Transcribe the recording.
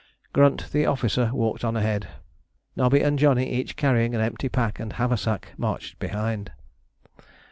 Grunt, the officer, walked on ahead. Nobby and Johnny, each carrying an empty pack and haversack, marched behind.